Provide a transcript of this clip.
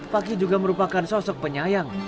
fakih juga merupakan sosok penyayang